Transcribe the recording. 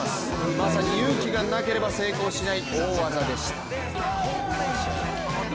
まさに勇気がなければ成功しない大技でした。